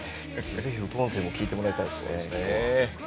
ぜひ副音声も聞いてもらいたいです。